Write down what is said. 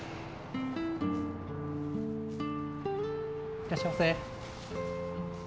いらっしゃいませ。